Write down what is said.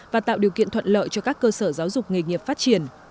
và tạo điều kiện thuận lợi cho các cơ sở giáo dục nghề nghiệp phát triển